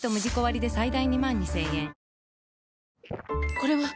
これはっ！